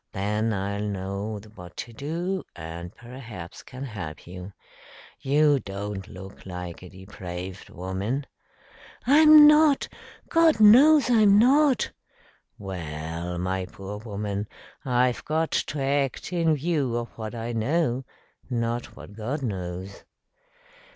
Then I'll know what to do, and perhaps can help you. You don't look like a depraved woman." "I'm not. God knows I'm not!" "Well, my poor woman, I've got to act in view of what I know, not what God knows."